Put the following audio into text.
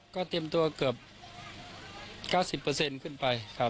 ก็เตรียมตัวเกือบ๙๐ขึ้นไปครับ